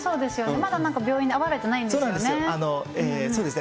まだなんか病院で会われてないんですよね。